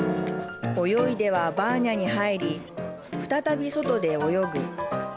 泳いではバーニャに入り再び、外で泳ぐ。